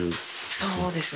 そうですね。